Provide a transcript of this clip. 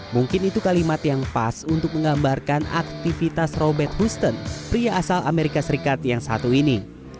mungkin itu kalimat yang pas untuk menggambarkan aktivitas robert houston pria asal amerika serikat yang satu ini